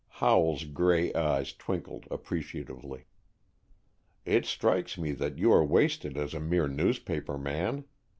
Howell's gray eyes twinkled appreciatively. "It strikes me that you are wasted as a mere newspaper man.